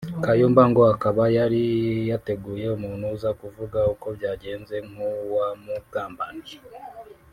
Kayumba ngo akaba yari yateguye umuntu uza kuvuga uko byagenze nk’uwamugambaniye